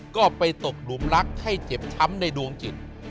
ก็ไปตกหลุมรักให้เจ็บช้ำในดวงจิต